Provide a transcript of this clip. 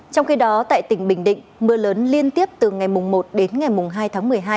trong khi đó tại tỉnh bình định mưa lớn liên tiếp từ ngày một đến ngày hai tháng một mươi hai